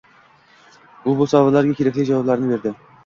U bu savollarga kerakli javoblarni berdi